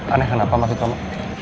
aneh kenapa maksud kamu